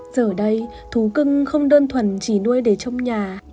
giờ đây thú cưng không đơn thuần chỉ nuôi để trong nhà